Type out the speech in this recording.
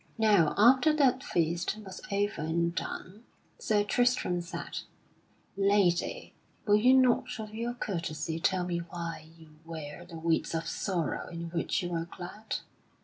Now after that feast was over and done, Sir Tristram said: "Lady, will you not of your courtesy tell me why you wear the weeds of sorrow in which you are clad?